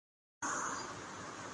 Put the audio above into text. پاک ٹیم کے شکستہ کے اسباب کیا تھے